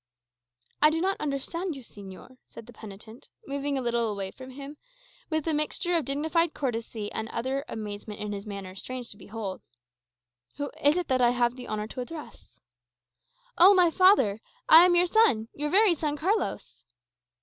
"I do not understand you, señor," said the penitent, moving a little away from him, with a mixture of dignified courtesy and utter amazement in his manner strange to behold. "Who is it that I have the honour to address?" "O my father, I am your son your very son Carlos!"